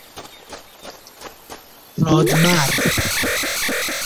راد مرد